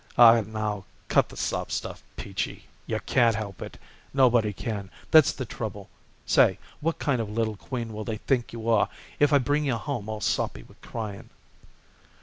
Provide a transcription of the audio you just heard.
"Aw, now, cut the sob stuff, Peachy! You can't help it. Nobody can, that's the trouble. Say, what kind of a little queen will they think you are if I bring you home all soppy with crying?"